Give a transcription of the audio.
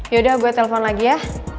yaudah gue telepon lagi ya